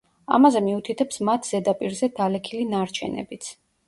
ამაზე მიუთითებს მათ ზედაპირზე დალექილი ნარჩენებიც.